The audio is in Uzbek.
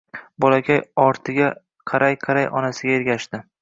Bolakay ortiga qaray-qaray onasiga ergashdi